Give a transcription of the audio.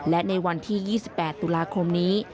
และในวันที่๒๘ตุลาคมนี้